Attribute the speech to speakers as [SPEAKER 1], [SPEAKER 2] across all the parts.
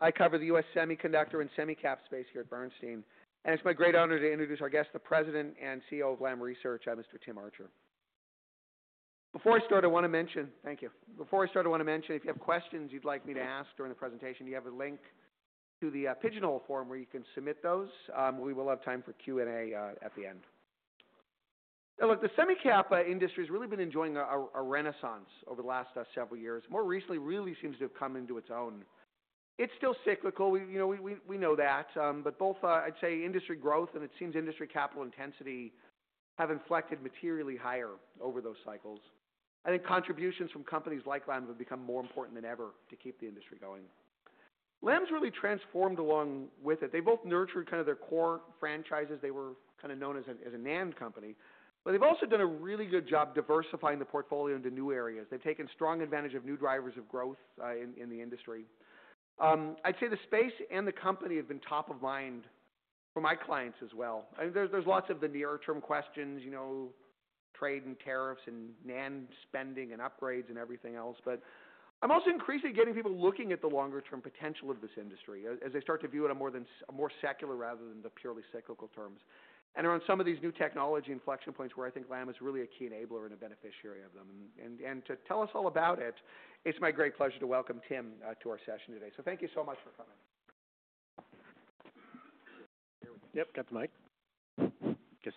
[SPEAKER 1] I cover the U.S. semiconductor and semicap space here at Bernstein, and it's my great honor to introduce our guest, the President and CEO of Lam Research, Mr. Tim Archer. Before I start, I want to mention, thank you. Before I start, I want to mention, if you have questions you'd like me to ask during the presentation, you have a link to the pigeonhole form where you can submit those. We will have time for Q&A at the end. Now, look, the semicap industry has really been enjoying a renaissance over the last several years. More recently, it really seems to have come into its own. It's still cyclical, we know that, but both, I'd say, industry growth and it seems industry capital intensity have inflected materially higher over those cycles. I think contributions from companies like Lam have become more important than ever to keep the industry going. Lam's really transformed along with it. They both nurtured kind of their core franchises. They were kind of known as a NAND company, but they've also done a really good job diversifying the portfolio into new areas. They've taken strong advantage of new drivers of growth in the industry. I'd say the space and the company have been top of mind for my clients as well. There are lots of the near-term questions: trade and tariffs and NAND spending and upgrades and everything else, but I'm also increasingly getting people looking at the longer-term potential of this industry as they start to view it on more secular rather than the purely cyclical terms and around some of these new technology inflection points where I think Lam is really a key enabler and a beneficiary of them. To tell us all about it, it's my great pleasure to welcome Tim to our session today. Thank you so much for coming.
[SPEAKER 2] Yep, got the mic. I guess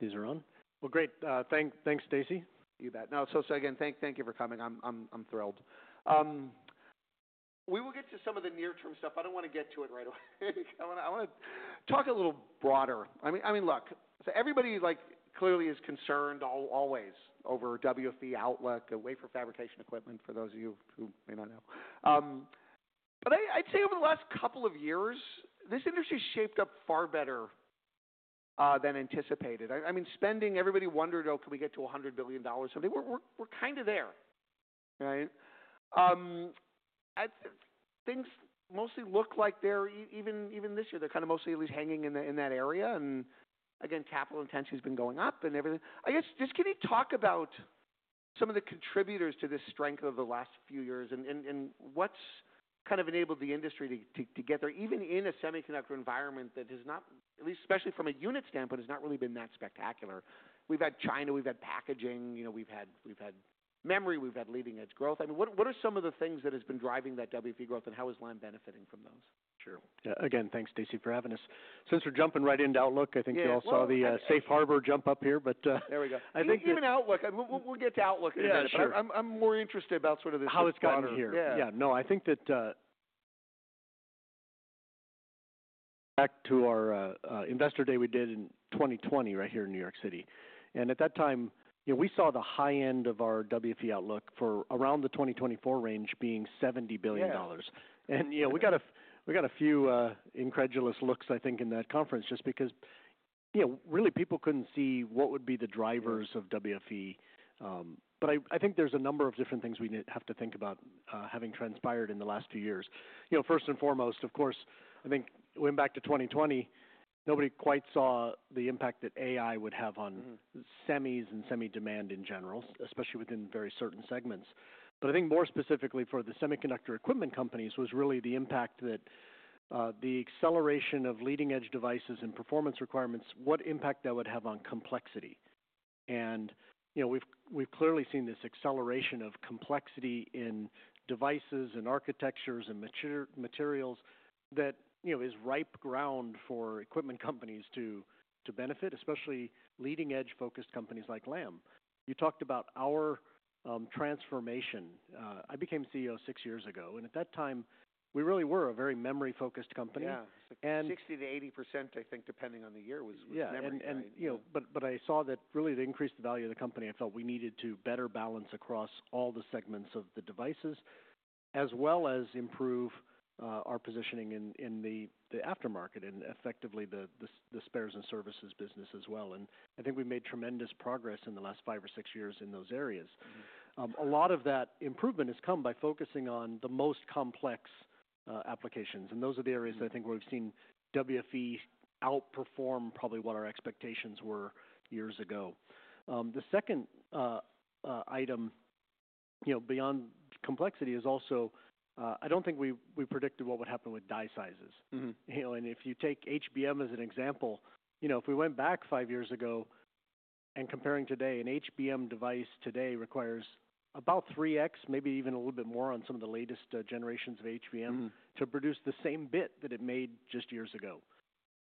[SPEAKER 2] these are on. Great. Thanks, Stacey.
[SPEAKER 1] You bet. No, so again, thank you for coming. I'm thrilled. We will get to some of the near-term stuff. I don't want to get to it right away. I want to talk a little broader. I mean, look, everybody clearly is concerned always over WFE, outlook, and wafer fabrication equipment for those of you who may not know. I'd say over the last couple of years, this industry shaped up far better than anticipated. I mean, spending, everybody wondered, "Oh, can we get to $100 billion?" We're kind of there, right? Things mostly look like they're even this year, they're kind of mostly at least hanging in that area. Again, capital intensity has been going up and everything. I guess, just can you talk about some of the contributors to this strength of the last few years and what's kind of enabled the industry to get there, even in a semiconductor environment that has not, at least especially from a unit standpoint, has not really been that spectacular? We've had China, we've had packaging, we've had memory, we've had leading-edge growth. I mean, what are some of the things that have been driving that WFE growth and how is Lam benefiting from those?
[SPEAKER 2] Sure. Yeah. Again, thanks, Stacey, for having us. Since we're jumping right into Outlook, I think you all saw the safe harbor jump up here.
[SPEAKER 1] There we go.
[SPEAKER 2] I think.
[SPEAKER 1] Even Outlook, we'll get to Outlook in a minute.
[SPEAKER 2] Yeah, sure.
[SPEAKER 1] I'm more interested about sort of the.
[SPEAKER 2] How it's gotten here.
[SPEAKER 1] Yeah.
[SPEAKER 2] Yeah. No, I think that back to our investor day we did in 2020 right here in New York City. At that time, we saw the high end of our WFE outlook for around the 2024 range being $70 billion. We got a few incredulous looks, I think, in that conference just because really people could not see what would be the drivers of WFE. I think there are a number of different things we have to think about having transpired in the last few years. First and foremost, of course, I think going back to 2020, nobody quite saw the impact that AI would have on semis and semi demand in general, especially within very certain segments. I think more specifically for the semiconductor equipment companies, it was really the impact that the acceleration of leading-edge devices and performance requirements, what impact that would have on complexity. We have clearly seen this acceleration of complexity in devices and architectures and materials that is ripe ground for equipment companies to benefit, especially leading-edge focused companies like Lam. You talked about our transformation. I became CEO six years ago, and at that time, we really were a very memory-focused company.
[SPEAKER 1] Yeah. 60%-80%, I think, depending on the year was memory.
[SPEAKER 2] Yeah. I saw that really to increase the value of the company, I felt we needed to better balance across all the segments of the devices as well as improve our positioning in the aftermarket and effectively the spares and services business as well. I think we made tremendous progress in the last five or six years in those areas. A lot of that improvement has come by focusing on the most complex applications. Those are the areas that I think we've seen WFE outperform probably what our expectations were years ago. The second item beyond complexity is also I do not think we predicted what would happen with die sizes. If you take HBM as an example, if we went back five years ago and comparing today, an HBM device today requires about 3x, maybe even a little bit more on some of the latest generations of HBM to produce the same bit that it made just years ago.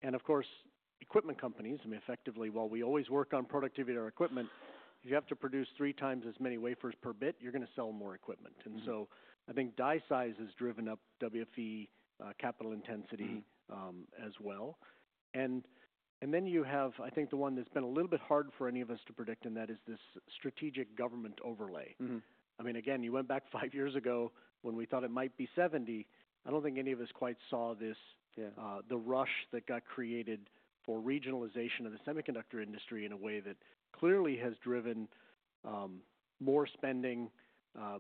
[SPEAKER 2] Of course, equipment companies, I mean, effectively, while we always work on productivity of our equipment, if you have to produce three times as many wafers per bit, you're going to sell more equipment. I think die size has driven up WFE capital intensity as well. You have, I think, the one that's been a little bit hard for any of us to predict, and that is this strategic government overlay. I mean, again, you went back five years ago when we thought it might be 70. I don't think any of us quite saw the rush that got created for regionalization of the semiconductor industry in a way that clearly has driven more spending,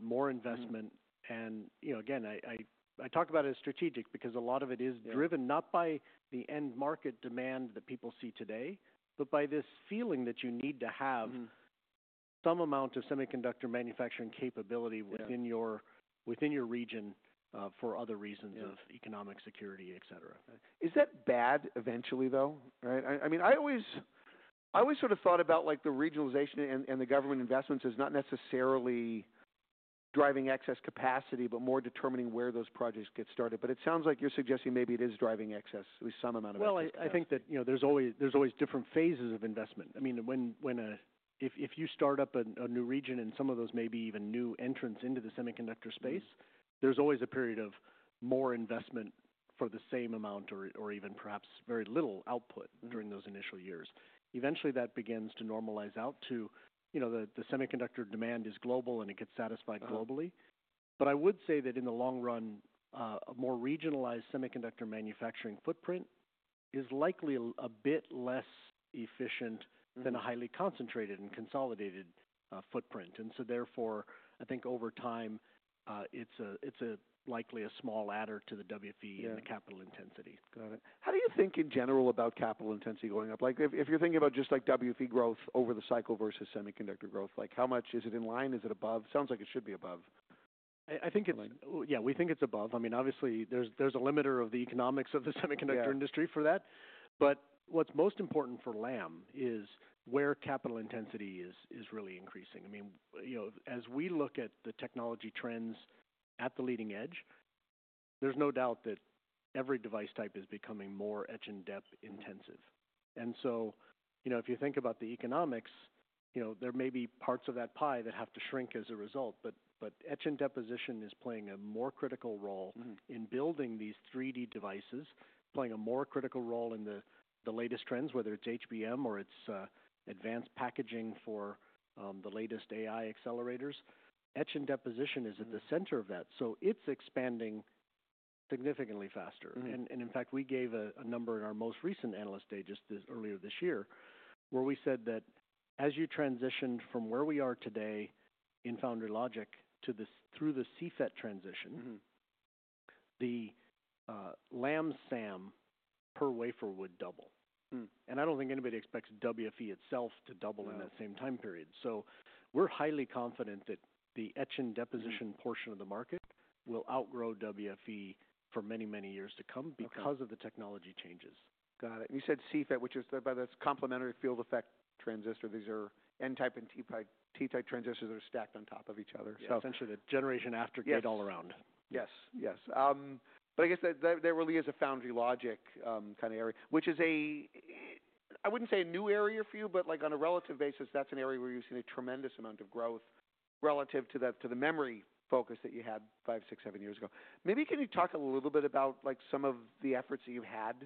[SPEAKER 2] more investment. I talk about it as strategic because a lot of it is driven not by the end market demand that people see today, but by this feeling that you need to have some amount of semiconductor manufacturing capability within your region for other reasons of economic security, et cetera.
[SPEAKER 1] Is that bad eventually, though? I mean, I always sort of thought about the regionalization and the government investments as not necessarily driving excess capacity, but more determining where those projects get started. It sounds like you're suggesting maybe it is driving excess, at least some amount of excess.
[SPEAKER 2] I think that there's always different phases of investment. I mean, if you start up a new region and some of those may be even new entrants into the semiconductor space, there's always a period of more investment for the same amount or even perhaps very little output during those initial years. Eventually, that begins to normalize out to the semiconductor demand is global and it gets satisfied globally. I would say that in the long run, a more regionalized semiconductor manufacturing footprint is likely a bit less efficient than a highly concentrated and consolidated footprint. Therefore, I think over time, it's likely a small ladder to the WFE and the capital intensity.
[SPEAKER 1] Got it. How do you think in general about capital intensity going up? If you're thinking about just WFE growth over the cycle versus semiconductor growth, how much is it in line? Is it above? Sounds like it should be above.
[SPEAKER 2] I think it's, yeah, we think it's above. I mean, obviously, there's a limiter of the economics of the semiconductor industry for that. What's most important for Lam is where capital intensity is really increasing. I mean, as we look at the technology trends at the leading edge, there's no doubt that every device type is becoming more etch-and-deposition intensive. If you think about the economics, there may be parts of that pie that have to shrink as a result, but etch-and-deposition is playing a more critical role in building these 3D devices, playing a more critical role in the latest trends, whether it's HBM or it's advanced packaging for the latest AI accelerators. Etch-and-deposition is at the center of that. It's expanding significantly faster. In fact, we gave a number in our most recent analyst day just earlier this year where we said that as you transition from where we are today in foundry logic through the CFET transition, the Lam SAM per wafer would double. I do not think anybody expects WFE itself to double in that same time period. We are highly confident that the etch-and-deposition portion of the market will outgrow WFE for many, many years to come because of the technology changes.
[SPEAKER 1] Got it. You said CFET, which is by the complementary field effect transistor. These are N-type and P-type transistors that are stacked on top of each other.
[SPEAKER 2] Yeah. Essentially, the generation after gate-all-around.
[SPEAKER 1] Yes. Yes. I guess there really is a foundry logic kind of area, which is a, I would not say a new area for you, but on a relative basis, that is an area where you have seen a tremendous amount of growth relative to the memory focus that you had five, six, seven years ago. Maybe can you talk a little bit about some of the efforts that you have had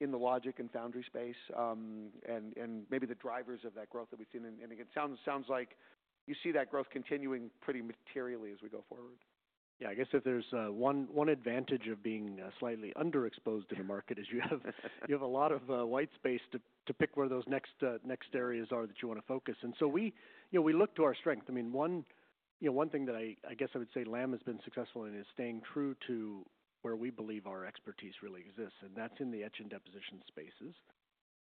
[SPEAKER 1] in the logic and foundry space and maybe the drivers of that growth that we have seen? It sounds like you see that growth continuing pretty materially as we go forward.
[SPEAKER 2] Yeah. I guess if there's one advantage of being slightly underexposed in the market, you have a lot of white space to pick where those next areas are that you want to focus. We look to our strength. I mean, one thing that I guess I would say Lam has been successful in is staying true to where we believe our expertise really exists, and that's in the etch-and-deposition spaces.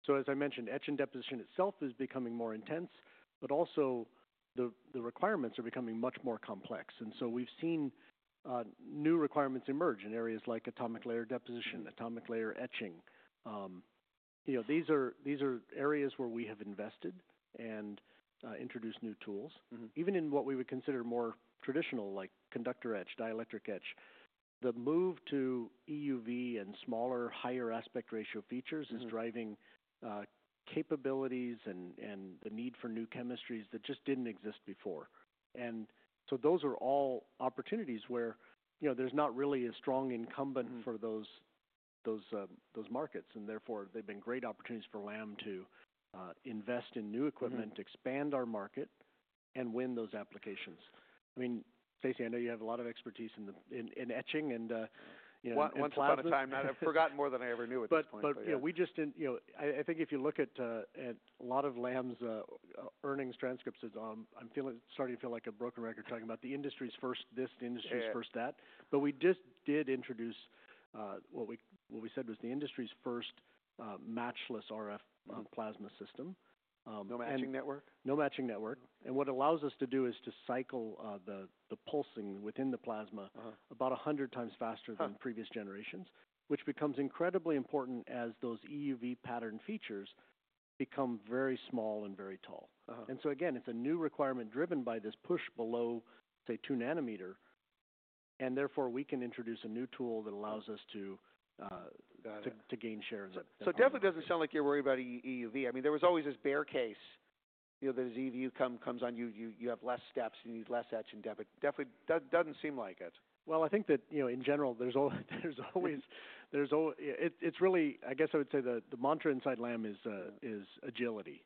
[SPEAKER 2] As I mentioned, etch-and-deposition itself is becoming more intense, but also the requirements are becoming much more complex. We've seen new requirements emerge in areas like atomic layer deposition, atomic layer etching. These are areas where we have invested and introduced new tools. Even in what we would consider more traditional, like conductor etch, dielectric etch, the move to EUV and smaller, higher aspect ratio features is driving capabilities and the need for new chemistries that just did not exist before. Those are all opportunities where there is not really a strong incumbent for those markets. Therefore, they have been great opportunities for Lam to invest in new equipment, expand our market, and win those applications. I mean, Stacey, I know you have a lot of expertise in etching and in platforms.
[SPEAKER 1] One slot of time that I've forgotten more than I ever knew at this point.
[SPEAKER 2] Yeah, we just did not. I think if you look at a lot of Lam's earnings transcripts, I'm starting to feel like a broken record talking about the industry's first this, the industry's first that. We just did introduce what we said was the industry's first Matchless RF Plasma System.
[SPEAKER 1] No matching network?
[SPEAKER 2] No matching network. What it allows us to do is to cycle the pulsing within the plasma about 100 times faster than previous generations, which becomes incredibly important as those EUV pattern features become very small and very tall. It is a new requirement driven by this push below, say, 2 nanometer. Therefore, we can introduce a new tool that allows us to gain share in that.
[SPEAKER 1] It definitely does not sound like you are worried about EUV. I mean, there was always this bear case that as EUV comes on, you have fewer steps, you need less etch-and-dep. It definitely does not seem like it.
[SPEAKER 2] I think that in general, there's always, it's really, I guess I would say the mantra inside Lam is agility.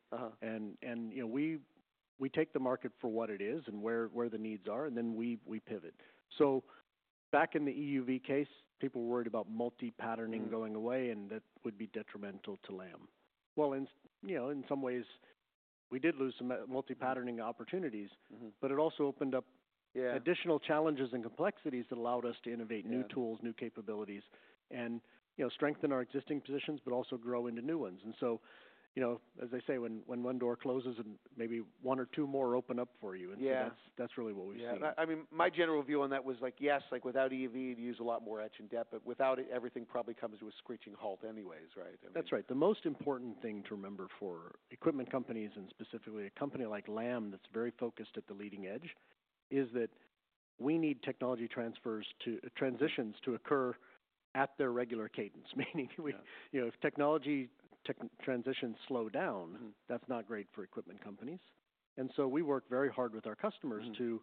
[SPEAKER 2] We take the market for what it is and where the needs are, and then we pivot. Back in the EUV case, people were worried about multi-patterning going away, and that would be detrimental to Lam. In some ways, we did lose some multi-patterning opportunities, but it also opened up additional challenges and complexities that allowed us to innovate new tools, new capabilities, and strengthen our existing positions, but also grow into new ones. As I say, when one door closes and maybe one or two more open up for you, and that's really what we've seen.
[SPEAKER 1] Yeah. I mean, my general view on that was like, yes, without EUV, you'd use a lot more etch-and-dep, but without it, everything probably comes to a screeching halt anyways, right?
[SPEAKER 2] That's right. The most important thing to remember for equipment companies and specifically a company like Lam that's very focused at the leading edge is that we need technology transitions to occur at their regular cadence. Meaning if technology transitions slow down, that's not great for equipment companies. We work very hard with our customers to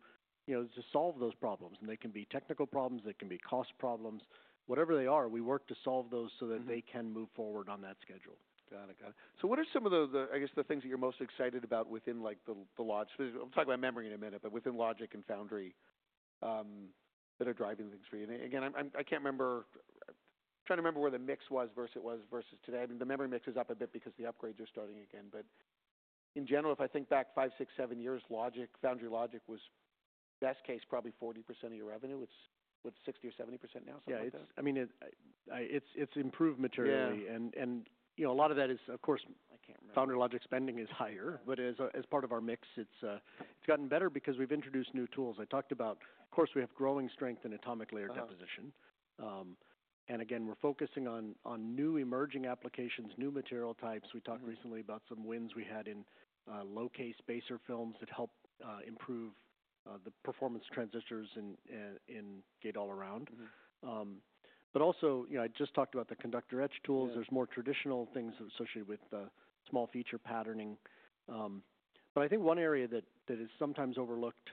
[SPEAKER 2] solve those problems. They can be technical problems, they can be cost problems, whatever they are, we work to solve those so that they can move forward on that schedule.
[SPEAKER 1] Got it. Got it. What are some of the, I guess, the things that you're most excited about within the logic? We'll talk about memory in a minute, but within logic and foundry that are driving things for you? Again, I can't remember, trying to remember where the mix was versus today. I mean, the memory mix is up a bit because the upgrades are starting again. In general, if I think back five, six, seven years, foundry logic was best case probably 40% of your revenue. It's 60% or 70% now, something like that?
[SPEAKER 2] Yeah. I mean, it's improved materially. And a lot of that is, of course, foundry logic spending is higher, but as part of our mix, it's gotten better because we've introduced new tools. I talked about, of course, we have growing strength in atomic layer deposition. And again, we're focusing on new emerging applications, new material types. We talked recently about some wins we had in low-k spacer films that help improve the performance transistors and gate-all-around. But also, I just talked about the conductor etch tools. There's more traditional things associated with small feature patterning. I think one area that is sometimes overlooked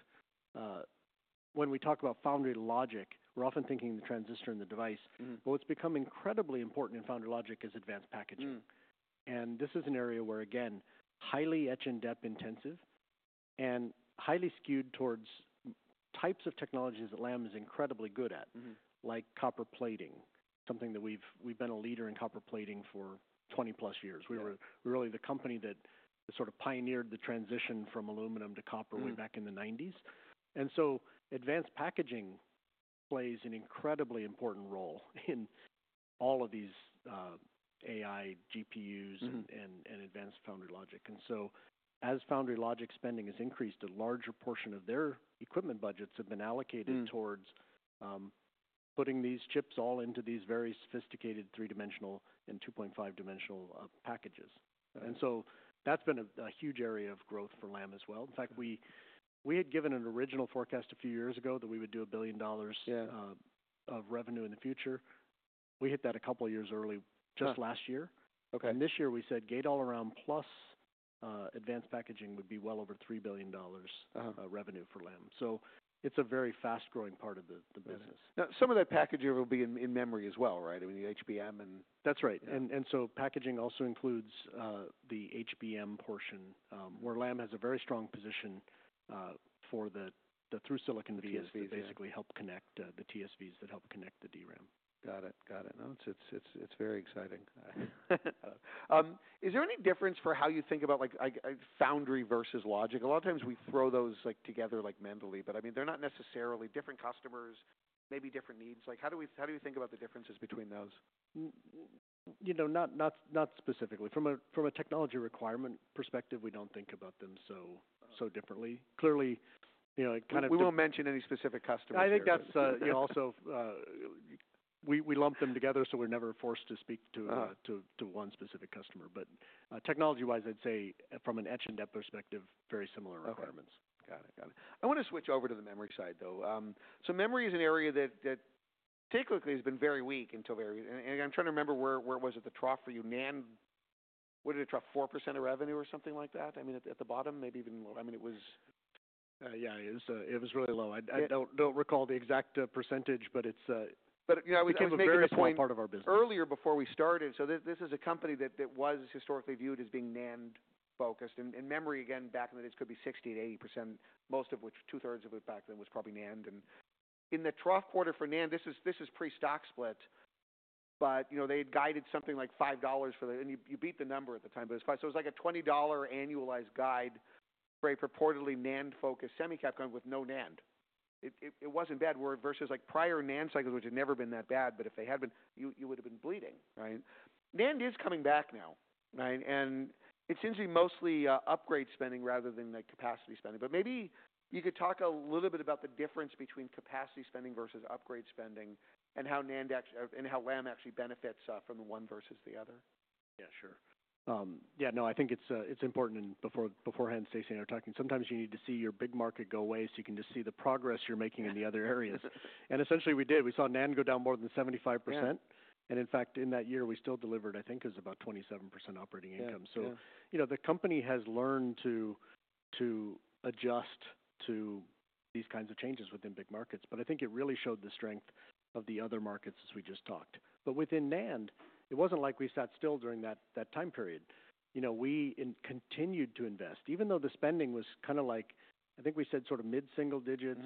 [SPEAKER 2] when we talk about foundry logic, we're often thinking the transistor and the device, but what's become incredibly important in foundry logic is advanced packaging. This is an area where, again, highly etch-and-depth intensive and highly skewed towards types of technologies that Lam is incredibly good at, like copper plating, something that we have been a leader in copper plating for 20-plus years. We were really the company that sort of pioneered the transition from aluminum to copper way back in the 1990s. Advanced packaging plays an incredibly important role in all of these AI GPUs and advanced foundry logic. As foundry logic spending has increased, a larger portion of their equipment budgets have been allocated towards putting these chips all into these very sophisticated three-dimensional and 2.5-dimensional packages. That has been a huge area of growth for Lam as well. In fact, we had given an original forecast a few years ago that we would do $1 billion of revenue in the future. We hit that a couple of years early just last year. This year, we said gate all around plus advanced packaging would be well over $3 billion revenue for Lam. It is a very fast-growing part of the business.
[SPEAKER 1] Now, some of that packaging will be in memory as well, right? I mean, the HBM and.
[SPEAKER 2] That's right. Packaging also includes the HBM portion where Lam has a very strong position for the through silicon TSVs that basically help connect the DRAM.
[SPEAKER 1] Got it. Got it. No, it's very exciting. Is there any difference for how you think about foundry versus logic? A lot of times we throw those together mentally, but I mean, they're not necessarily different customers, maybe different needs. How do we think about the differences between those?
[SPEAKER 2] Not specifically. From a technology requirement perspective, we don't think about them so differently. Clearly, kind of.
[SPEAKER 1] We won't mention any specific customers.
[SPEAKER 2] I think that's also why we lump them together, so we're never forced to speak to one specific customer. From a technology-wise, I'd say from an etch-and-dep perspective, very similar requirements.
[SPEAKER 1] Got it. Got it. I want to switch over to the memory side, though. Memory is an area that particularly has been very weak until very recent. And I'm trying to remember where it was at the trough for you. What did it drop? 4% of revenue or something like that? I mean, at the bottom, maybe even lower. I mean, it was.
[SPEAKER 2] Yeah, it was really low. I don't recall the exact percentage, but it's. We came to a very important part of our business.
[SPEAKER 1] Earlier before we started, this is a company that was historically viewed as being NAND-focused. And memory, again, back in the days, could be 60%-80%, most of which, two-thirds of it back then was probably NAND. In the trough quarter for NAND, this is pre-stock split, but they had guided something like $5 for the, and you beat the number at the time, but it was quite, it was like a $20 annualized guide for a purportedly NAND-focused semiconductor with no NAND. It was not bad versus prior NAND cycles, which had never been that bad, but if they had been, you would have been bleeding, right? NAND is coming back now, right? It seems to be mostly upgrade spending rather than capacity spending. Maybe you could talk a little bit about the difference between capacity spending versus upgrade spending and how Lam actually benefits from one versus the other.
[SPEAKER 2] Yeah, sure. Yeah, no, I think it's important. Beforehand, Stacey and I were talking, sometimes you need to see your big market go away so you can just see the progress you're making in the other areas. Essentially, we did. We saw NAND go down more than 75%. In fact, in that year, we still delivered, I think it was about 27% operating income. The company has learned to adjust to these kinds of changes within big markets. I think it really showed the strength of the other markets as we just talked. Within NAND, it wasn't like we sat still during that time period. We continued to invest. Even though the spending was kind of like, I think we said sort of mid-single digits,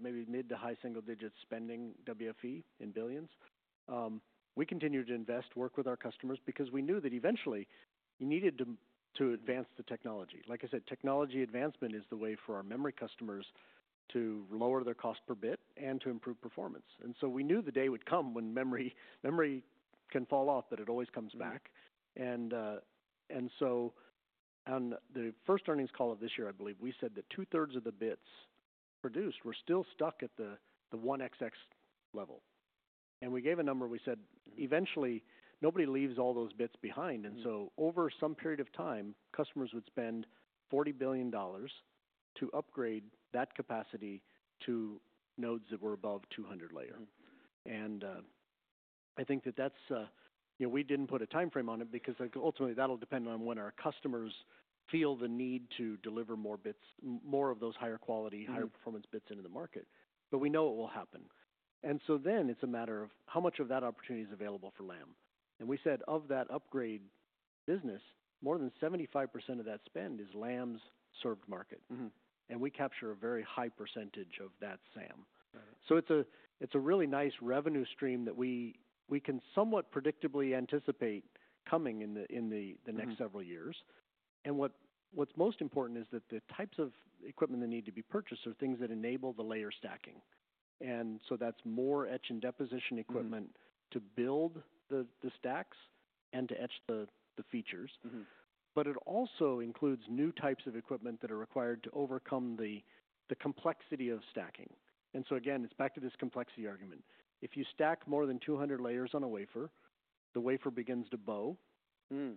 [SPEAKER 2] maybe mid to high single digits spending WFE in billions, we continued to invest, work with our customers because we knew that eventually you needed to advance the technology. Like I said, technology advancement is the way for our memory customers to lower their cost per bit and to improve performance. We knew the day would come when memory can fall off, but it always comes back. On the first earnings call of this year, I believe, we said that two-thirds of the bits produced were still stuck at the 1xx level. We gave a number, we said, eventually, nobody leaves all those bits behind. Over some period of time, customers would spend $40 billion to upgrade that capacity to nodes that were above 200 layer. I think that we did not put a timeframe on it because ultimately that will depend on when our customers feel the need to deliver more bits, more of those higher quality, higher performance bits into the market. We know it will happen. It is a matter of how much of that opportunity is available for Lam. We said of that upgrade business, more than 75% of that spend is Lam's served market. We capture a very high percentage of that SAM. It is a really nice revenue stream that we can somewhat predictably anticipate coming in the next several years. What is most important is that the types of equipment that need to be purchased are things that enable the layer stacking. That is more etch-and-deposition equipment to build the stacks and to etch the features. It also includes new types of equipment that are required to overcome the complexity of stacking. Again, it is back to this complexity argument. If you stack more than 200 layers on a wafer, the wafer begins to bow. You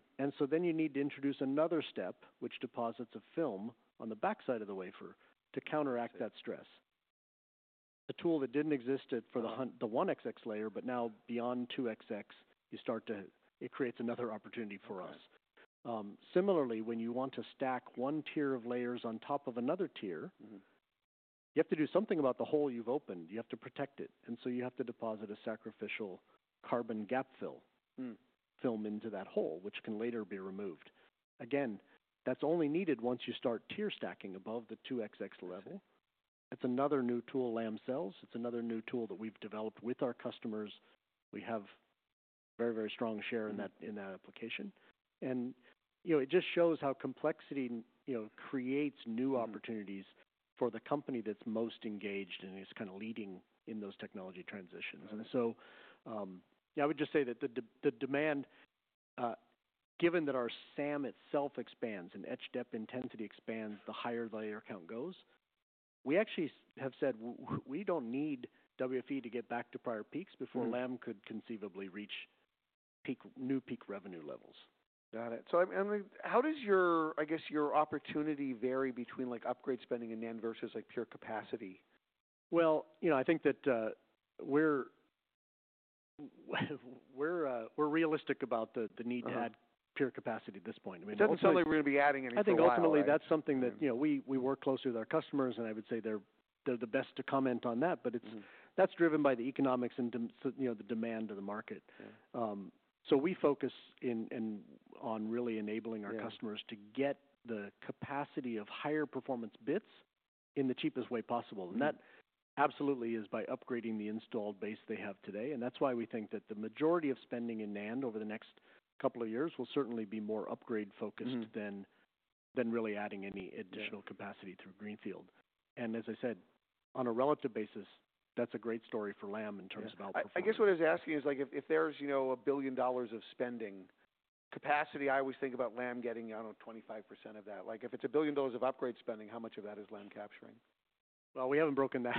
[SPEAKER 2] need to introduce another step, which deposits a film on the backside of the wafer to counteract that stress. A tool that did not exist for the 1xx layer, but now beyond 2xx, it creates another opportunity for us. Similarly, when you want to stack one tier of layers on top of another tier, you have to do something about the hole you have opened. You have to protect it. You have to deposit a sacrificial carbon gap fill film into that hole, which can later be removed. That is only needed once you start tier stacking above the 2xx level. It's another new tool Lam sells. It's another new tool that we've developed with our customers. We have a very, very strong share in that application. It just shows how complexity creates new opportunities for the company that's most engaged and is kind of leading in those technology transitions. I would just say that the demand, given that our SAM itself expands and etch-depth intensity expands, the higher the layer count goes, we actually have said we don't need WFE to get back to prior peaks before Lam could conceivably reach new peak revenue levels.
[SPEAKER 1] Got it. How does your, I guess, your opportunity vary between upgrade spending in NAND versus pure capacity?
[SPEAKER 2] I think that we're realistic about the need to add pure capacity at this point. I mean.
[SPEAKER 1] It doesn't sound like we're going to be adding anything more.
[SPEAKER 2] I think ultimately that's something that we work closely with our customers, and I would say they're the best to comment on that, but that's driven by the economics and the demand of the market. We focus on really enabling our customers to get the capacity of higher performance bits in the cheapest way possible. That absolutely is by upgrading the installed base they have today. That is why we think that the majority of spending in NAND over the next couple of years will certainly be more upgrade-focused than really adding any additional capacity through Greenfield. As I said, on a relative basis, that's a great story for Lam in terms of output performance.
[SPEAKER 1] I guess what I was asking is if there's a billion dollars of spending capacity, I always think about Lam getting, I don't know, 25% of that. If it's a billion dollars of upgrade spending, how much of that is Lam capturing?
[SPEAKER 2] We have not broken that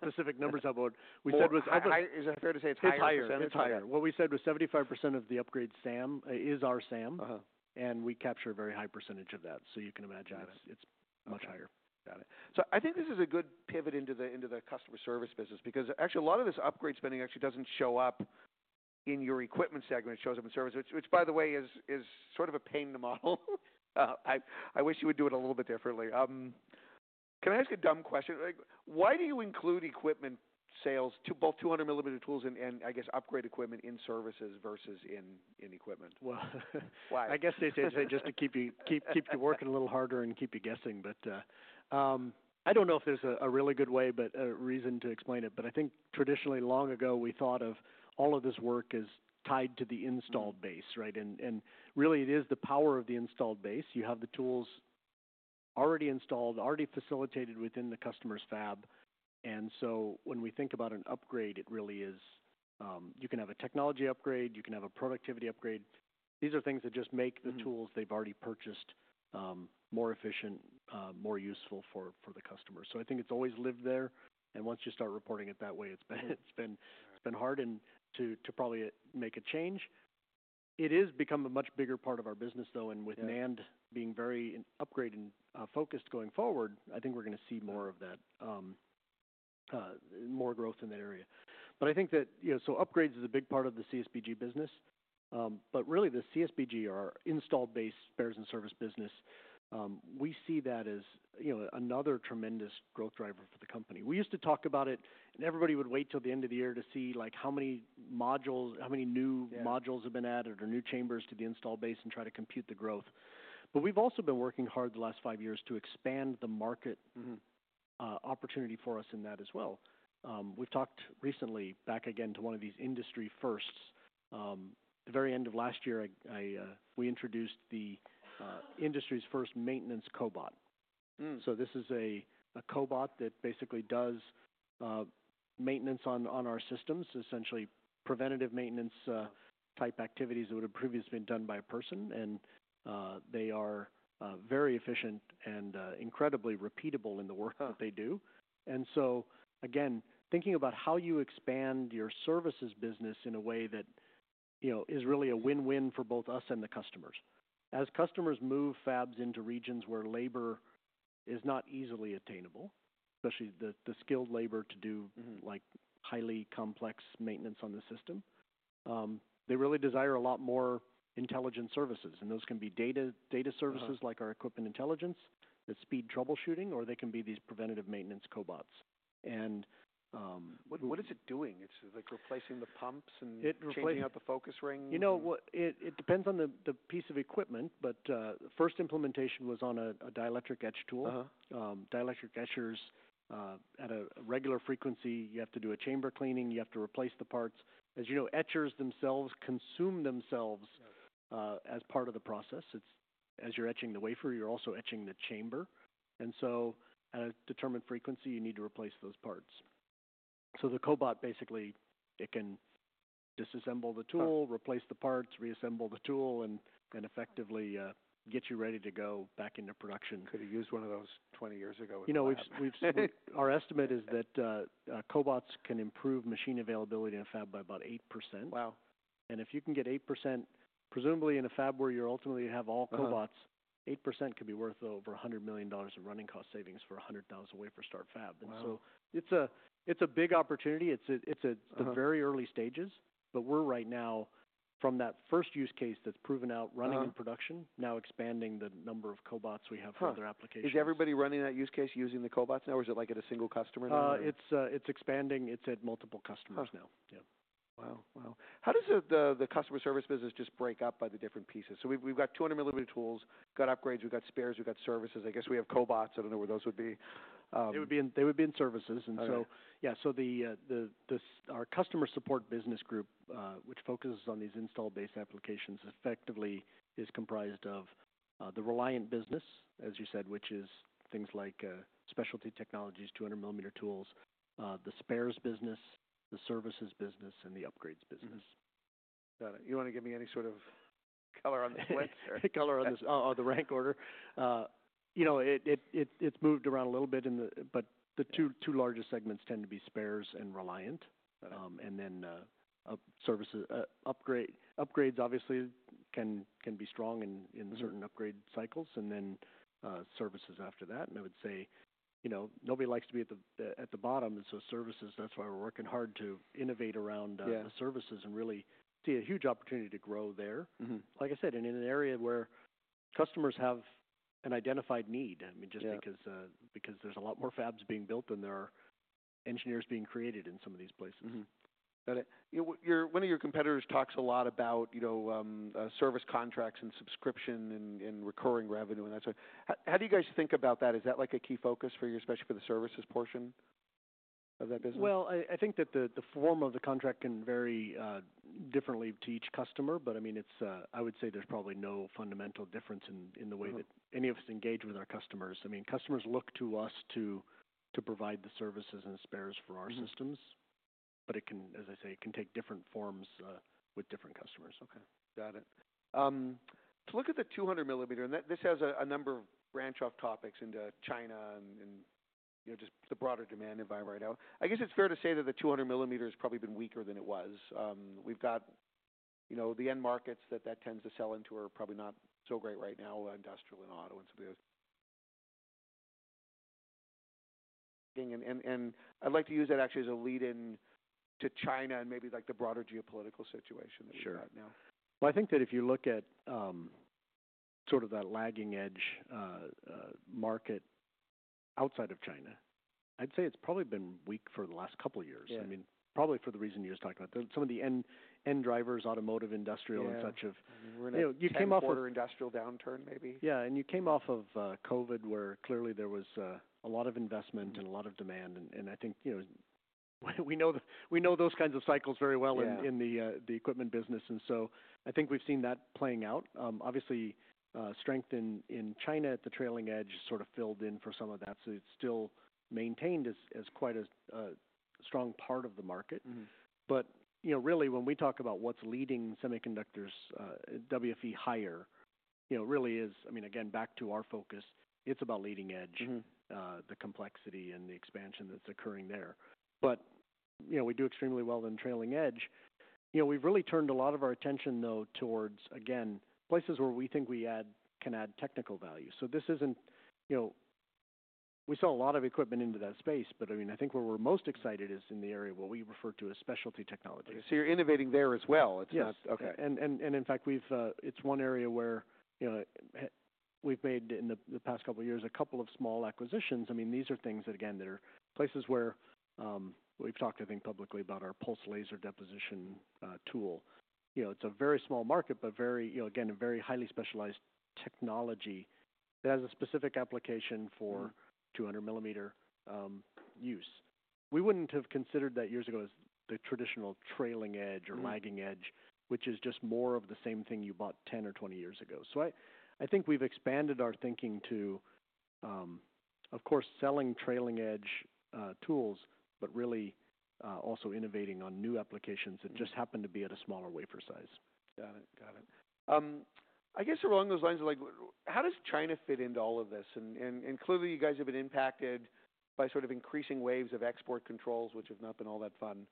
[SPEAKER 2] specific numbers up, but we said was.
[SPEAKER 1] Is it fair to say it's higher percentage?
[SPEAKER 2] It's higher. What we said was 75% of the upgrade SAM is our SAM, and we capture a very high percentage of that. You can imagine it's much higher.
[SPEAKER 1] Got it. I think this is a good pivot into the customer service business because actually a lot of this upgrade spending actually does not show up in your equipment segment. It shows up in service, which by the way is sort of a pain in the model. I wish you would do it a little bit differently. Can I ask a dumb question? Why do you include equipment sales, both 200 millimeter tools and, I guess, upgrade equipment in services versus in equipment?
[SPEAKER 2] I guess they say just to keep you working a little harder and keep you guessing. I do not know if there is a really good way, a reason to explain it. I think traditionally, long ago, we thought of all of this work as tied to the installed base, right? It is the power of the installed base. You have the tools already installed, already facilitated within the customer's fab. When we think about an upgrade, it really is, you can have a technology upgrade, you can have a productivity upgrade. These are things that just make the tools they have already purchased more efficient, more useful for the customer. I think it has always lived there. Once you start reporting it that way, it has been hard to probably make a change. It has become a much bigger part of our business, though. With NAND being very upgrade-focused going forward, I think we're going to see more of that, more growth in that area. I think that upgrades is a big part of the CSBG business. Really, the CSBG, our installed base spares and service business, we see that as another tremendous growth driver for the company. We used to talk about it, and everybody would wait till the end of the year to see how many modules, how many new modules have been added or new chambers to the installed base and try to compute the growth. We've also been working hard the last five years to expand the market opportunity for us in that as well. We've talked recently back again to one of these industry firsts. The very end of last year, we introduced the industry's first Maintenance Cobot. This is a cobot that basically does maintenance on our systems, essentially preventative maintenance type activities that would have previously been done by a person. They are very efficient and incredibly repeatable in the work that they do. Again, thinking about how you expand your services business in a way that is really a win-win for both us and the customers. As customers move fabs into regions where labor is not easily attainable, especially the skilled labor to do highly complex maintenance on the system, they really desire a lot more intelligent services. Those can be data services like our equipment intelligence that speed troubleshooting, or they can be these preventative maintenance cobots.
[SPEAKER 1] What is it doing? It's replacing the pumps and changing out the focus ring?
[SPEAKER 2] It depends on the piece of equipment, but first implementation was on a dielectric etch tool. Dielectric etchers at a regular frequency, you have to do a chamber cleaning, you have to replace the parts. As you know, etchers themselves consume themselves as part of the process. As you're etching the wafer, you're also etching the chamber. At a determined frequency, you need to replace those parts. The cobot basically, it can disassemble the tool, replace the parts, reassemble the tool, and effectively get you ready to go back into production.
[SPEAKER 1] Could have used one of those 20 years ago.
[SPEAKER 2] Our estimate is that cobots can improve machine availability in a fab by about 8%. If you can get 8%, presumably in a fab where you ultimately have all cobots, 8% could be worth over $100 million of running cost savings for a 100,000 wafer start fab. It is a big opportunity. It is at the very early stages, but we are right now from that first use case that is proven out running in production, now expanding the number of cobots we have for other applications.
[SPEAKER 1] Is everybody running that use case using the cobots now, or is it like at a single customer now?
[SPEAKER 2] It's expanding. It's at multiple customers now. Yeah.
[SPEAKER 1] Wow. Wow. How does the customer service business just break up by the different pieces? So we've got 200 millimeter tools, we've got upgrades, we've got spares, we've got services. I guess we have cobots. I do not know where those would be.
[SPEAKER 2] They would be in services. Yeah. Our customer support business group, which focuses on these installed base applications, effectively is comprised of the Reliant business, as you said, which is things like specialty technologies, 200 millimeter tools, the spares business, the services business, and the upgrades business.
[SPEAKER 1] Got it. You want to give me any sort of color on the splits or color on the rank order?
[SPEAKER 2] It's moved around a little bit, but the two largest segments tend to be spares and reliant. Then upgrades, obviously, can be strong in certain upgrade cycles. Then services after that. I would say nobody likes to be at the bottom. That is why we're working hard to innovate around the services and really see a huge opportunity to grow there. Like I said, in an area where customers have an identified need, I mean, just because there's a lot more fabs being built than there are engineers being created in some of these places.
[SPEAKER 1] Got it. One of your competitors talks a lot about service contracts and subscription and recurring revenue and that sort of thing. How do you guys think about that? Is that like a key focus for you, especially for the services portion of that business?
[SPEAKER 2] I think that the form of the contract can vary differently to each customer, but I mean, I would say there's probably no fundamental difference in the way that any of us engage with our customers. I mean, customers look to us to provide the services and spares for our systems, but as I say, it can take different forms with different customers.
[SPEAKER 1] Okay. Got it. To look at the 200 millimeter, and this has a number of branch-off topics into China and just the broader demand environment right now. I guess it's fair to say that the 200 millimeter has probably been weaker than it was. We've got the end markets that that tends to sell into are probably not so great right now, industrial and auto and some of the others. I'd like to use that actually as a lead-in to China and maybe the broader geopolitical situation that we've got now.
[SPEAKER 2] Sure. I think that if you look at sort of that lagging edge market outside of China, I'd say it's probably been weak for the last couple of years. I mean, probably for the reason you're talking about. Some of the end drivers, automotive, industrial, and such have. Yeah. You came off of.
[SPEAKER 1] We're in a quarter industrial downturn maybe.
[SPEAKER 2] Yeah. You came off of COVID where clearly there was a lot of investment and a lot of demand. I think we know those kinds of cycles very well in the equipment business. I think we've seen that playing out. Obviously, strength in China at the trailing edge sort of filled in for some of that. It still maintained as quite a strong part of the market. Really, when we talk about what's leading semiconductors, WFE higher, it really is, I mean, again, back to our focus, it's about leading edge, the complexity and the expansion that's occurring there. We do extremely well in trailing edge. We've really turned a lot of our attention though towards, again, places where we think we can add technical value. This isn't we sell a lot of equipment into that space, but I mean, I think where we're most excited is in the area where we refer to as specialty technology.
[SPEAKER 1] You're innovating there as well. It's not.
[SPEAKER 2] Yes. Okay. In fact, it is one area where we have made in the past couple of years a couple of small acquisitions. I mean, these are things that, again, are places where we have talked, I think, publicly about our Pulse Laser Deposition Tool. It is a very small market, but again, a very highly specialized technology that has a specific application for 200 millimeter use. We would not have considered that years ago as the traditional trailing edge or lagging edge, which is just more of the same thing you bought 10 or 20 years ago. I think we have expanded our thinking to, of course, selling trailing edge tools, but really also innovating on new applications that just happen to be at a smaller wafer size.
[SPEAKER 1] Got it. Got it. I guess along those lines, how does China fit into all of this? Clearly, you guys have been impacted by sort of increasing waves of export controls, which have not been all that fun.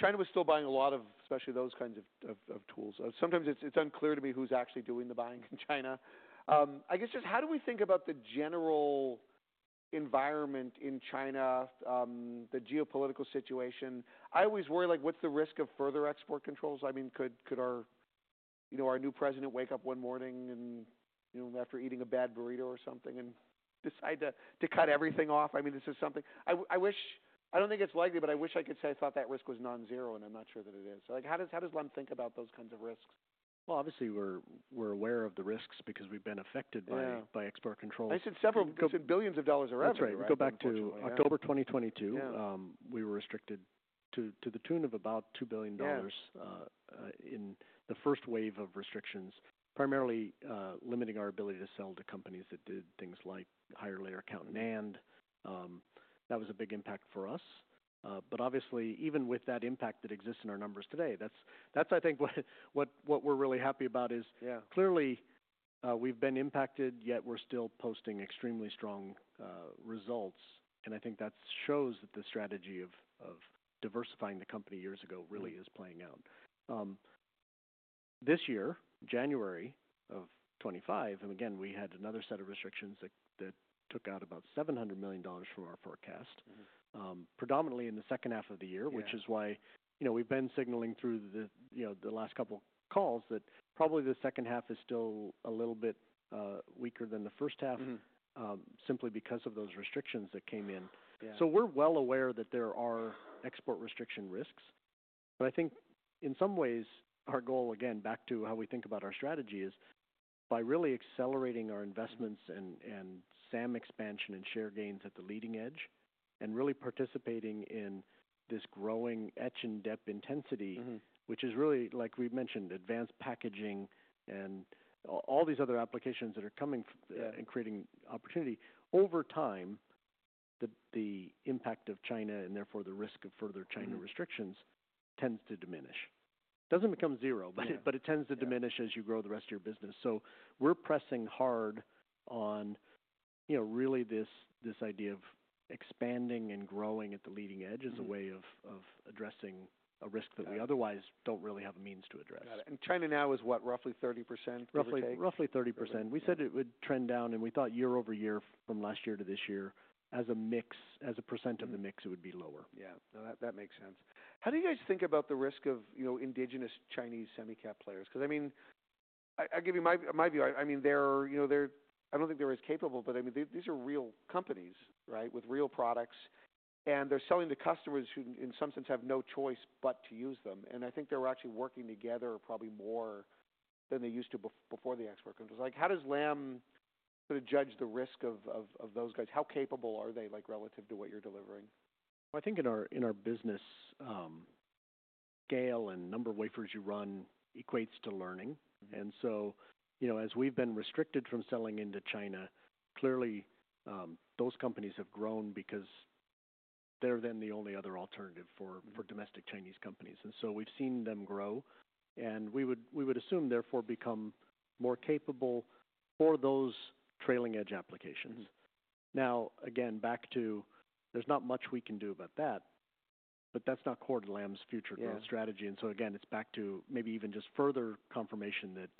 [SPEAKER 1] China was still buying a lot of especially those kinds of tools. Sometimes it's unclear to me who's actually doing the buying in China. I guess just how do we think about the general environment in China, the geopolitical situation? I always worry what's the risk of further export controls? I mean, could our new president wake up one morning and after eating a bad burrito or something and decide to cut everything off? I mean, this is something I don't think it's likely, but I wish I could say I thought that risk was non-zero, and I'm not sure that it is. How does Lam think about those kinds of risks?
[SPEAKER 2] Obviously, we're aware of the risks because we've been affected by export controls.
[SPEAKER 1] I said billions of dollars already.
[SPEAKER 2] That's right. We go back to October 2022. We were restricted to the tune of about $2 billion in the first wave of restrictions, primarily limiting our ability to sell to companies that did things like higher layer count NAND. That was a big impact for us. Obviously, even with that impact that exists in our numbers today, what we're really happy about is clearly we've been impacted, yet we're still posting extremely strong results. I think that shows that the strategy of diversifying the company years ago really is playing out. This year, January of 2025, and again, we had another set of restrictions that took out about $700 million from our forecast, predominantly in the second half of the year, which is why we've been signaling through the last couple of calls that probably the second half is still a little bit weaker than the first half simply because of those restrictions that came in. We are well aware that there are export restriction risks. I think in some ways, our goal, again, back to how we think about our strategy is by really accelerating our investments and SAM expansion and share gains at the leading edge and really participating in this growing etch and depth intensity, which is really, like we've mentioned, advanced packaging and all these other applications that are coming and creating opportunity. Over time, the impact of China and therefore the risk of further China restrictions tends to diminish. It does not become zero, but it tends to diminish as you grow the rest of your business. We are pressing hard on really this idea of expanding and growing at the leading edge as a way of addressing a risk that we otherwise do not really have a means to address.
[SPEAKER 1] Got it. China now is what, roughly 30%?
[SPEAKER 2] Roughly 30%. We said it would trend down, and we thought year over year from last year to this year, as a percent of the mix, it would be lower.
[SPEAKER 1] Yeah. No, that makes sense. How do you guys think about the risk of indigenous Chinese semicap players? Because I mean, I'll give you my view. I mean, I don't think they're as capable, but I mean, these are real companies, right, with real products, and they're selling to customers who in some sense have no choice but to use them. I think they're actually working together probably more than they used to before the export controls. How does Lam sort of judge the risk of those guys? How capable are they relative to what you're delivering?
[SPEAKER 2] I think in our business, scale and number of wafers you run equates to learning. As we have been restricted from selling into China, clearly those companies have grown because they are then the only other alternative for domestic Chinese companies. We have seen them grow, and we would assume therefore become more capable for those trailing edge applications. Now, again, back to there is not much we can do about that, but that is not core to Lam's future strategy. Again, it is back to maybe even just further confirmation that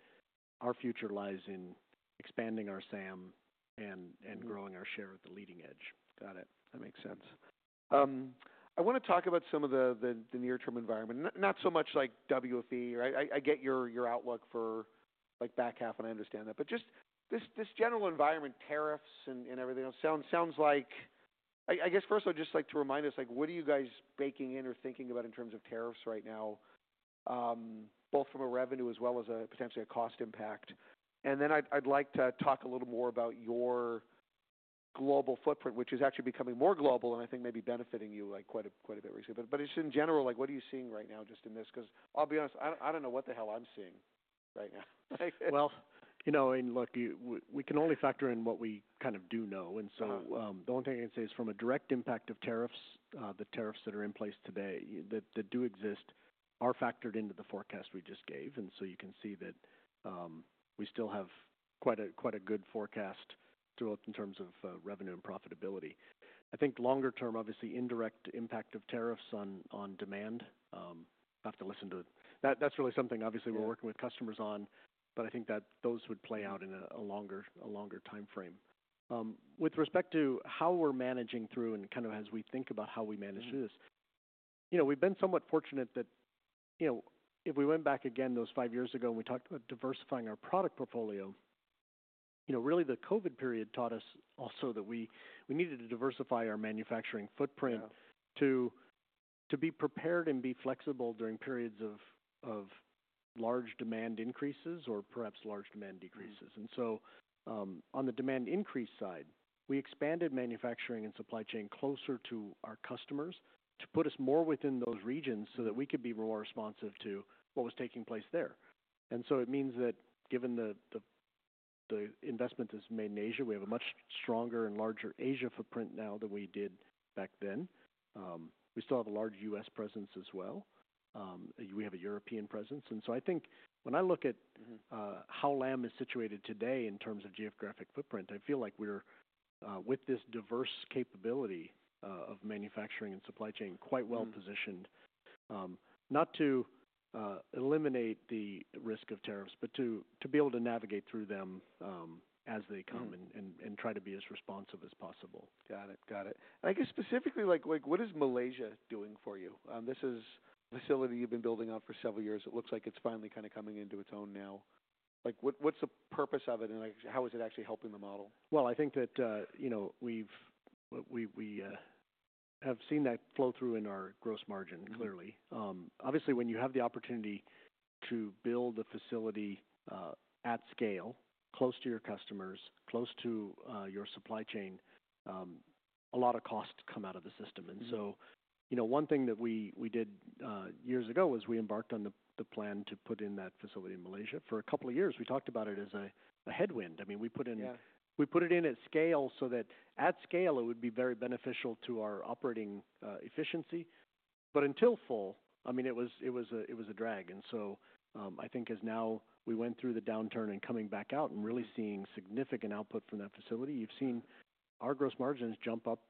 [SPEAKER 2] our future lies in expanding our SAM and growing our share at the leading edge.
[SPEAKER 1] Got it. That makes sense. I want to talk about some of the near-term environment. Not so much like WFE, right? I get your outlook for back half, and I understand that. Just this general environment, tariffs and everything else, sounds like I guess first I'd just like to remind us, what are you guys baking in or thinking about in terms of tariffs right now, both from a revenue as well as potentially a cost impact? Then I'd like to talk a little more about your global footprint, which is actually becoming more global and I think maybe benefiting you quite a bit recently. Just in general, what are you seeing right now just in this? Because I'll be honest, I don't know what the hell I'm seeing right now.
[SPEAKER 2] I mean, look, we can only factor in what we kind of do know. The only thing I can say is from a direct impact of tariffs, the tariffs that are in place today that do exist are factored into the forecast we just gave. You can see that we still have quite a good forecast throughout in terms of revenue and profitability. I think longer term, obviously, indirect impact of tariffs on demand. I have to listen to that. That is really something obviously we are working with customers on, but I think that those would play out in a longer timeframe. With respect to how we're managing through and kind of as we think about how we manage this, we've been somewhat fortunate that if we went back again those five years ago and we talked about diversifying our product portfolio, really the COVID period taught us also that we needed to diversify our manufacturing footprint to be prepared and be flexible during periods of large demand increases or perhaps large demand decreases. On the demand increase side, we expanded manufacturing and supply chain closer to our customers to put us more within those regions so that we could be more responsive to what was taking place there. It means that given the investment that's made in Asia, we have a much stronger and larger Asia footprint now than we did back then. We still have a large U.S. presence as well. We have a European presence. I think when I look at how Lam is situated today in terms of geographic footprint, I feel like we're, with this diverse capability of manufacturing and supply chain, quite well positioned, not to eliminate the risk of tariffs, but to be able to navigate through them as they come and try to be as responsive as possible.
[SPEAKER 1] Got it. Got it. I guess specifically, what is Malaysia doing for you? This is a facility you've been building out for several years. It looks like it's finally kind of coming into its own now. What's the purpose of it, and how is it actually helping the model?
[SPEAKER 2] I think that we have seen that flow through in our gross margin, clearly. Obviously, when you have the opportunity to build a facility at scale, close to your customers, close to your supply chain, a lot of costs come out of the system. One thing that we did years ago was we embarked on the plan to put in that facility in Malaysia. For a couple of years, we talked about it as a headwind. I mean, we put it in at scale so that at scale, it would be very beneficial to our operating efficiency. Until fall, I mean, it was a drag. I think as now we went through the downturn and coming back out and really seeing significant output from that facility, you've seen our gross margins jump up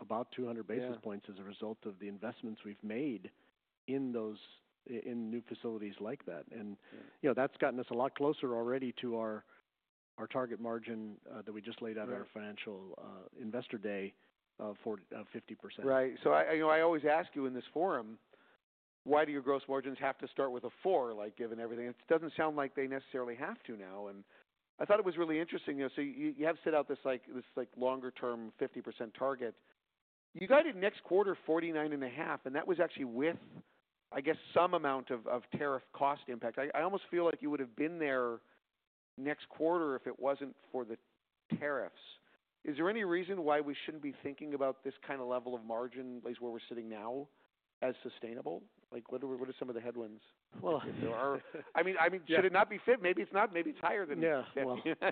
[SPEAKER 2] about 200 basis points as a result of the investments we've made in new facilities like that. That has gotten us a lot closer already to our target margin that we just laid out at our financial investor day of 50%.
[SPEAKER 1] Right. I always ask you in this forum, why do your gross margins have to start with a four, given everything? It does not sound like they necessarily have to now. I thought it was really interesting. You have set out this longer-term 50% target. You guided next quarter 49.5%, and that was actually with, I guess, some amount of tariff cost impact. I almost feel like you would have been there next quarter if it was not for the tariffs. Is there any reason why we should not be thinking about this kind of level of margin, at least where we are sitting now, as sustainable? What are some of the headwinds? I mean, should it not be 50%? Maybe it is not. Maybe it is higher than it should be.
[SPEAKER 2] Yeah.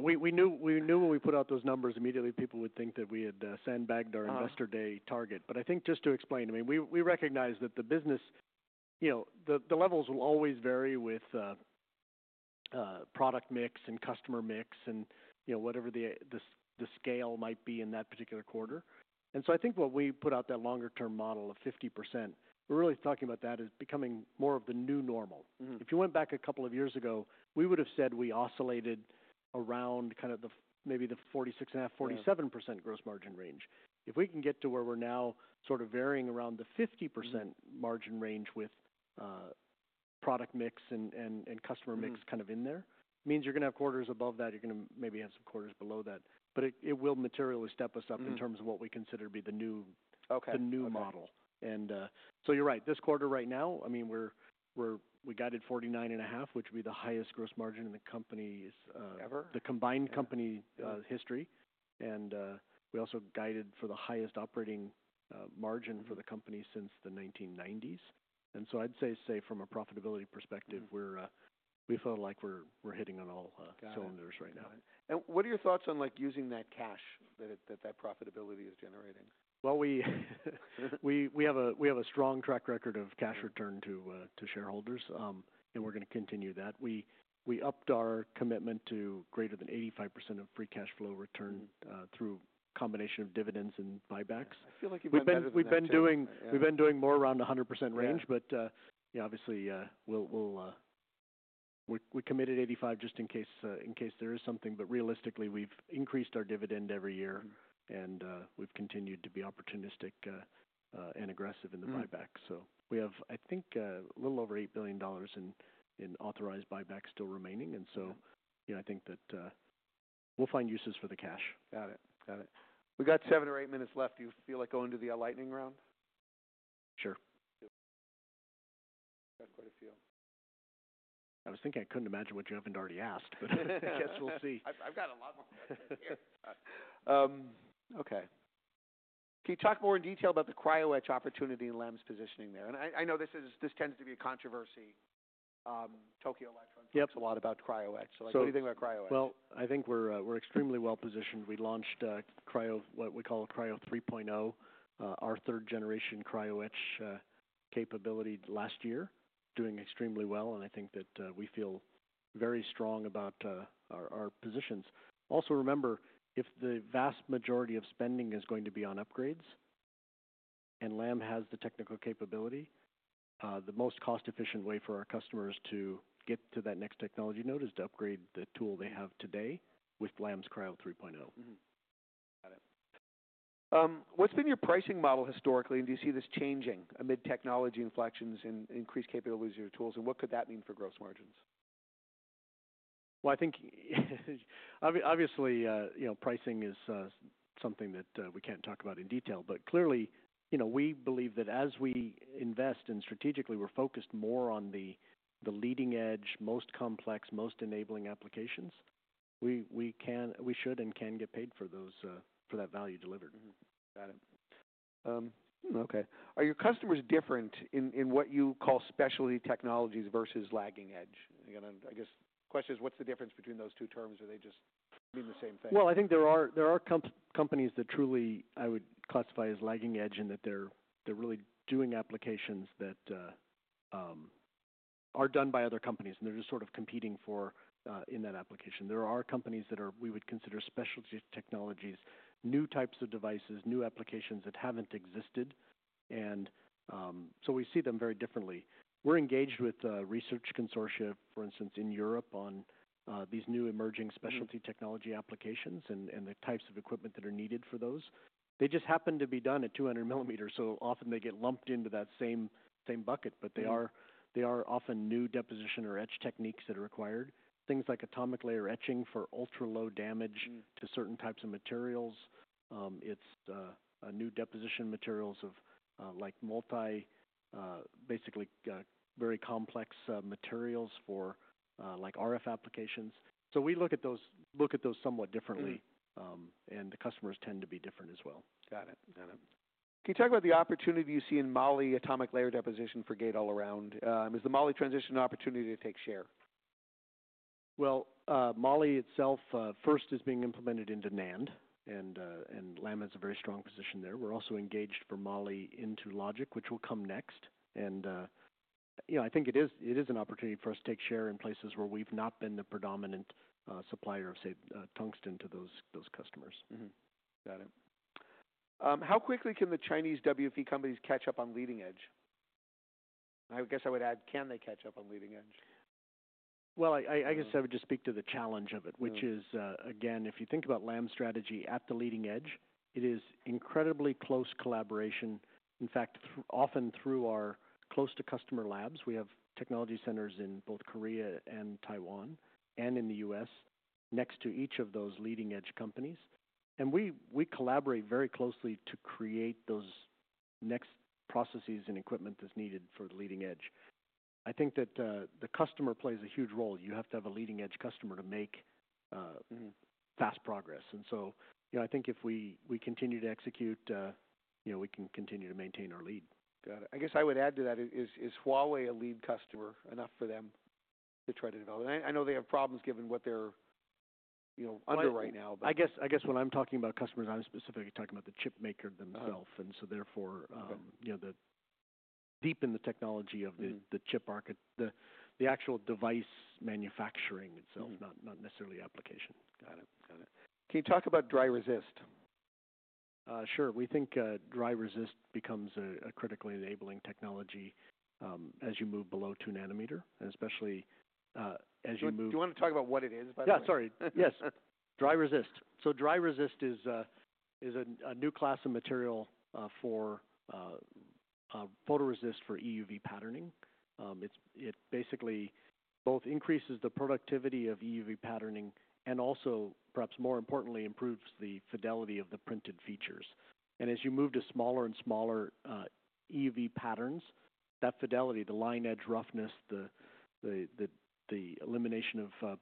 [SPEAKER 2] We knew when we put out those numbers immediately, people would think that we had sandbagged our investor day target. I think just to explain, I mean, we recognize that the business, the levels will always vary with product mix and customer mix and whatever the scale might be in that particular quarter. I think what we put out, that longer-term model of 50%, we're really talking about that as becoming more of the new normal. If you went back a couple of years ago, we would have said we oscillated around kind of maybe the 46.5%-47% gross margin range. If we can get to where we're now sort of varying around the 50% margin range with product mix and customer mix kind of in there, it means you're going to have quarters above that. You're going to maybe have some quarters below that. It will materially step us up in terms of what we consider to be the new model. And so you're right. This quarter right now, I mean, we guided 49.5, which would be the highest gross margin in the company's.
[SPEAKER 1] Ever?
[SPEAKER 2] The combined company history. We also guided for the highest operating margin for the company since the 1990s. I'd say from a profitability perspective, we feel like we're hitting on all cylinders right now.
[SPEAKER 1] Got it. What are your thoughts on using that cash that profitability is generating?
[SPEAKER 2] We have a strong track record of cash return to shareholders, and we're going to continue that. We upped our commitment to greater than 85% of free cash flow return through a combination of dividends and buybacks.
[SPEAKER 1] I feel like you've been doing that.
[SPEAKER 2] We've been doing more around the 100% range, but obviously, we committed 85% just in case there is something. Realistically, we've increased our dividend every year, and we've continued to be opportunistic and aggressive in the buyback. We have, I think, a little over $8 billion in authorized buybacks still remaining. I think that we'll find uses for the cash.
[SPEAKER 1] Got it. Got it. We've got seven or eight minutes left. Do you feel like going to the lightning round?
[SPEAKER 2] Sure.
[SPEAKER 1] Got quite a few.
[SPEAKER 2] I was thinking I couldn't imagine what you haven't already asked, but I guess we'll see.
[SPEAKER 1] I've got a lot more questions. Okay. Can you talk more in detail about the CryoEdge opportunity in Lam's positioning there? I know this tends to be a controversy. Tokyo Electron speaks a lot about CryoEdge. Anything about CryoEdge?
[SPEAKER 2] I think we're extremely well positioned. We launched what we call Cryo 3.0, our third-generation CryoEdge capability last year, doing extremely well. I think that we feel very strong about our positions. Also, remember, if the vast majority of spending is going to be on upgrades and Lam has the technical capability, the most cost-efficient way for our customers to get to that next technology node is to upgrade the tool they have today with Lam's Cryo 3.0.
[SPEAKER 1] Got it. What's been your pricing model historically, and do you see this changing amid technology inflections and increased capabilities of your tools, and what could that mean for gross margins?
[SPEAKER 2] I think obviously, pricing is something that we can't talk about in detail, but clearly, we believe that as we invest and strategically we're focused more on the leading edge, most complex, most enabling applications, we should and can get paid for that value delivered.
[SPEAKER 1] Got it. Okay. Are your customers different in what you call specialty technologies versus lagging edge? Again, I guess the question is, what's the difference between those two terms? Are they just being the same thing?
[SPEAKER 2] I think there are companies that truly I would classify as lagging edge in that they're really doing applications that are done by other companies, and they're just sort of competing in that application. There are companies that we would consider specialty technologies, new types of devices, new applications that haven't existed. We see them very differently. We're engaged with a research consortia, for instance, in Europe on these new emerging specialty technology applications and the types of equipment that are needed for those. They just happen to be done at 200 millimeters, so often they get lumped into that same bucket, but they are often new deposition or etch techniques that are required, things like atomic layer etching for ultra-low damage to certain types of materials. It's new deposition materials of basically very complex materials for RF applications. We look at those somewhat differently, and the customers tend to be different as well.
[SPEAKER 1] Got it. Got it. Can you talk about the opportunity you see in Mali atomic layer deposition for Gate-All-Around? Is the Mali transition an opportunity to take share?
[SPEAKER 2] Mali itself first is being implemented into NAND, and Lam has a very strong position there. We're also engaged for Mali into Logic, which will come next. I think it is an opportunity for us to take share in places where we've not been the predominant supplier of, say, tungsten to those customers.
[SPEAKER 1] Got it. How quickly can the Chinese WFE companies catch up on leading edge? I guess I would add, can they catch up on leading edge?
[SPEAKER 2] I guess I would just speak to the challenge of it, which is, again, if you think about Lam's strategy at the leading edge, it is incredibly close collaboration. In fact, often through our close-to-customer labs, we have technology centers in both Korea and Taiwan and in the U.S. next to each of those leading-edge companies. We collaborate very closely to create those next processes and equipment that's needed for the leading edge. I think that the customer plays a huge role. You have to have a leading-edge customer to make fast progress. I think if we continue to execute, we can continue to maintain our lead.
[SPEAKER 1] Got it. I guess I would add to that, is Huawei a lead customer enough for them to try to develop? I know they have problems given what they're under right now, but.
[SPEAKER 2] I guess when I'm talking about customers, I'm specifically talking about the chip maker themselves. Therefore, deep in the technology of the chip market, the actual device manufacturing itself, not necessarily application.
[SPEAKER 1] Got it. Got it. Can you talk about dry resist?
[SPEAKER 2] Sure. We think dry resist becomes a critically enabling technology as you move below 2 nanometer, and especially as you move.
[SPEAKER 1] Do you want to talk about what it is, by the way?
[SPEAKER 2] Yeah, sorry. Yes. Dry resist. So dry resist is a new class of material for photoresist for EUV patterning. It basically both increases the productivity of EUV patterning and also, perhaps more importantly, improves the fidelity of the printed features. As you move to smaller and smaller EUV patterns, that fidelity, the line edge roughness, the elimination of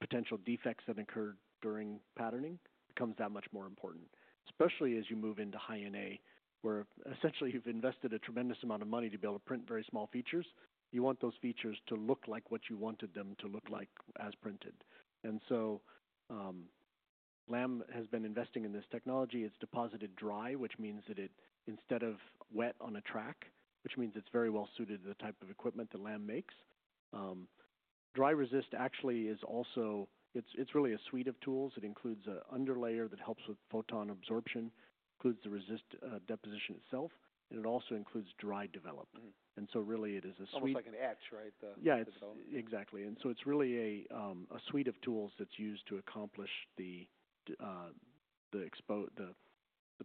[SPEAKER 2] potential defects that occur during patterning becomes that much more important, especially as you move into high NA where essentially you've invested a tremendous amount of money to be able to print very small features. You want those features to look like what you wanted them to look like as printed. Lam has been investing in this technology. It's deposited dry, which means that instead of wet on a track, it's very well suited to the type of equipment that Lam makes. Dry resist actually is also really a suite of tools. It includes an underlayer that helps with photon absorption, includes the resist deposition itself, and it also includes dry develop. It is a suite.
[SPEAKER 1] Almost like an etch, right?
[SPEAKER 2] Yeah, exactly. It is really a suite of tools that's used to accomplish the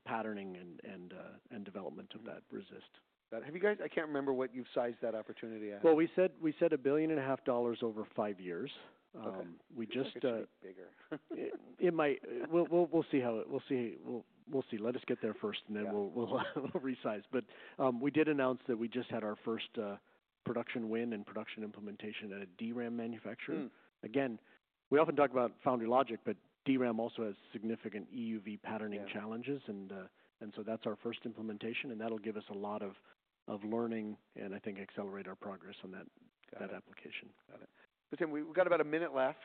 [SPEAKER 2] patterning and development of that resist.
[SPEAKER 1] Got it. Have you guys—I can't remember what you've sized that opportunity at.
[SPEAKER 2] We said a billion and a half dollars over five years. We just.
[SPEAKER 1] We'll just make it bigger.
[SPEAKER 2] will see how it—we will see. Let us get there first, and then we will resize. We did announce that we just had our first production win and production implementation at a DRAM manufacturer. Again, we often talk about Foundry Logic, but DRAM also has significant EUV patterning challenges. That is our first implementation, and that will give us a lot of learning and I think accelerate our progress on that application.
[SPEAKER 1] Got it. Got it. Tim, we have about a minute left.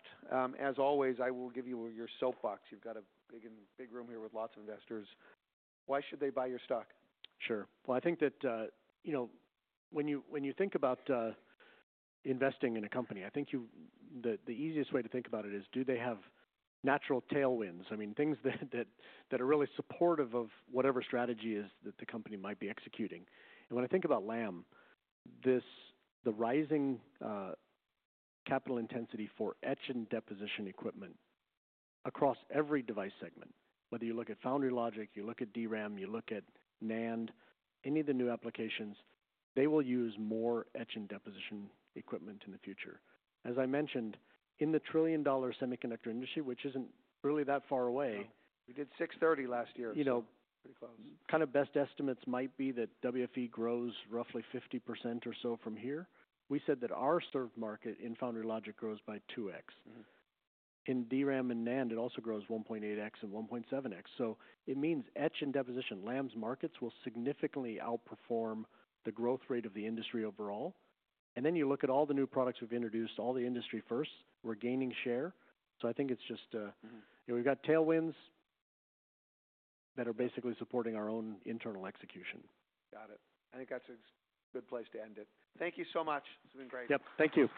[SPEAKER 1] As always, I will give you your soapbox. You have a big room here with lots of investors. Why should they buy your stock?
[SPEAKER 2] Sure. I think that when you think about investing in a company, I think the easiest way to think about it is, do they have natural tailwinds? I mean, things that are really supportive of whatever strategy is that the company might be executing. When I think about Lam, the rising capital intensity for etch and deposition equipment across every device segment, whether you look at Foundry Logic, you look at DRAM, you look at NAND, any of the new applications, they will use more etch and deposition equipment in the future. As I mentioned, in the trillion-dollar semiconductor industry, which is not really that far away.
[SPEAKER 1] We did 630 last year. It's pretty close.
[SPEAKER 2] Kind of best estimates might be that WFE grows roughly 50% or so from here. We said that our serve market in Foundry Logic grows by 2x. In DRAM and NAND, it also grows 1.8x and 1.7x. It means etch and deposition, Lam's markets will significantly outperform the growth rate of the industry overall. You look at all the new products we've introduced, all the industry first, we're gaining share. I think it's just we've got tailwinds that are basically supporting our own internal execution.
[SPEAKER 1] Got it. I think that's a good place to end it. Thank you so much. This has been great.
[SPEAKER 2] Yep. Thank you.